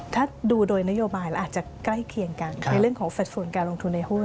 ถ้าดูโดยนโยบายเราอาจจะใกล้เคียงกันในเรื่องของสัดส่วนการลงทุนในหุ้น